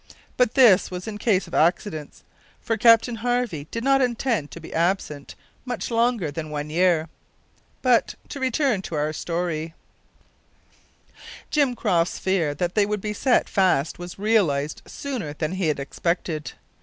But this was in case of accidents, for Captain Harvey did not intend to be absent much longer than one year. But, to return to our story: Jim Croft's fear that they would be set fast was realised sooner than he expected.